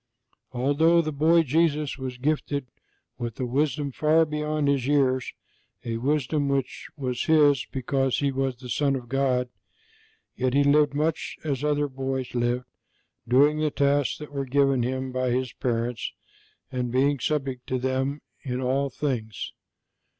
Although the boy Jesus was gifted with a wisdom far beyond His years a wisdom which was His because He was the Son of God, yet He lived much as other boys lived, doing the tasks that were given Him by His parents and being subject to them in all things.